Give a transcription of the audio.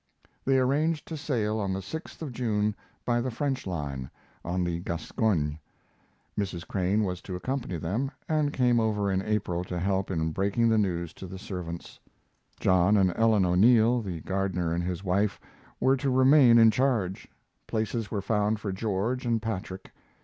They arranged to sail on the 6th of June by the French line. [On the Gascogne.] Mrs. Crane was to accompany them, and came over in April to help in breaking the news to the servants. John and Ellen O'Neill (the gardener and his wife) were to remain in charge; places were found for George and Patrick.